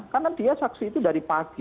karena dia saksi itu dari pagi